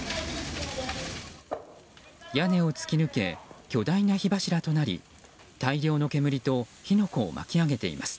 屋根を突き抜け巨大な火柱となり大量の煙と火の粉を巻き上げています。